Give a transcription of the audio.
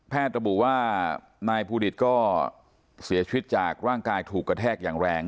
ระบุว่านายภูดิตก็เสียชีวิตจากร่างกายถูกกระแทกอย่างแรง